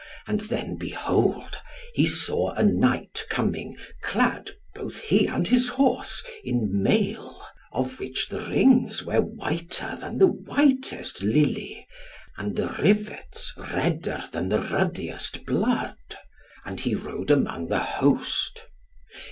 And then, behold, he saw a knight coming, clad, both he and his horse, in mail, of which the rings were whiter than the whitest lily, and the rivets redder than the ruddies blood. And he rode amongst the host.